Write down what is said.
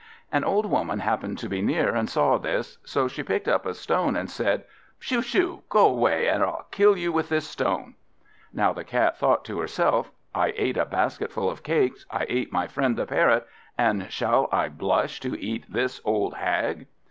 An old woman happened to be near, and saw this. So she picked up a stone, and said "Shoo! shoo! get away, or I'll kill you with this stone." Now the Cat thought to herself, "I ate a basketful of cakes, I ate my friend the Parrot, and shall I blush to eat this old hag?"